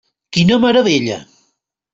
Quina meravella!